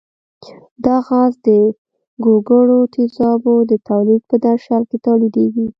دا غاز د ګوګړو تیزابو د تولید په درشل کې تولیدیږي.